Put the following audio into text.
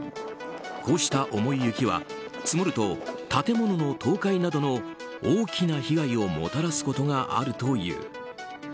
こうした重い雪は積もると建物の倒壊などの大きな被害をもたらすことがあるという。